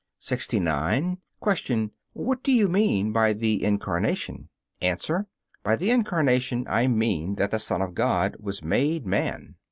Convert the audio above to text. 69. Q. What do you mean by the Incarnation? A. By the Incarnation I mean that the Son of God was made man.